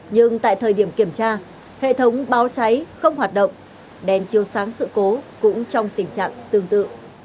nhưng tại thời điểm kiểm tra hệ thống báo cháy không hoạt động đèn chiếu sáng sự cố cũng trong tình trạng tương tự